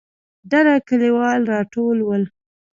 ډله کليوال راټول ول.